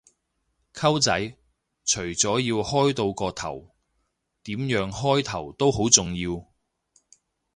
溝仔，除咗要開到個頭，點樣開頭都好重要